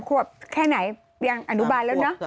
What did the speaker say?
ขวบแค่ไหนยังอนุบาลแล้วเนอะ